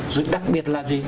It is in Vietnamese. rồi đặc biệt là gì